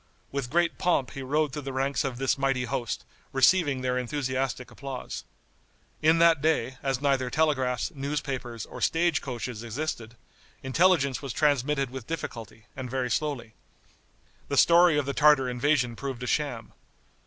With great pomp he rode through the ranks of this mighty host, receiving their enthusiastic applause. In that day, as neither telegraphs, newspapers or stage coaches existed, intelligence was transmitted with difficulty, and very slowly. The story of the Tartar invasion proved a sham.